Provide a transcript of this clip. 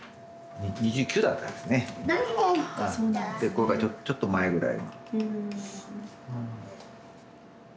これがちょっと前ぐらい。